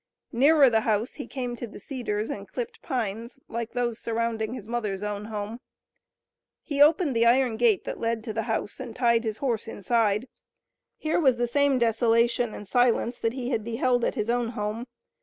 Nearer the house he came to the cedars and clipped pines, like those surrounding his mother's own home. He opened the iron gate that led to the house, and tied his horse inside. Here was the same desolation and silence that he had beheld at his own home.